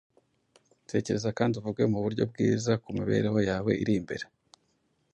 Tekereza kandi uvuge mu buryo bwiza ku mibereho yawe iri imbere,